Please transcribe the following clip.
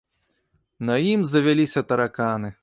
На ім завяліся тараканы.